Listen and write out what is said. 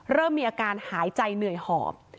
เริ่มมีอาการหายใจเหนื่อยหอบ